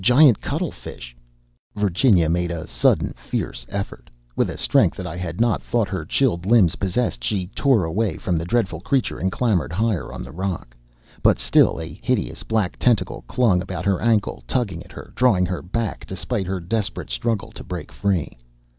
"A giant cuttlefish!" Virginia made a sudden fierce effort. With a strength that I had not thought her chilled limbs possessed, she tore away from the dreadful creature and clambered higher on the rock. But still a hideous black tentacle clung about her ankle, tugging at her, drawing her back despite her desperate struggle to break free.